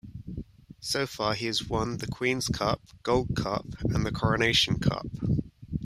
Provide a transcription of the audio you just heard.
So far, he has won the Queen's Cup, Gold Cup and the Coronation Cup.